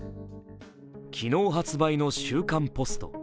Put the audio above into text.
昨日発売の「週刊ポスト」